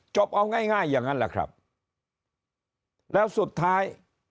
เอาง่ายง่ายอย่างนั้นแหละครับแล้วสุดท้าย